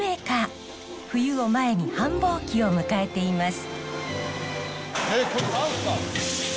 冬を前に繁忙期を迎えています。